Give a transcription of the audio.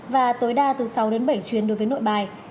và tối đa từ sáu đến bảy chuyến đối với nội bài